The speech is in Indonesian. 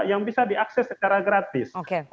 yang bisa diakses secara gratis